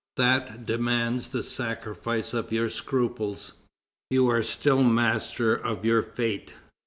That demands the sacrifice of your scruples ... You are still master of your fate.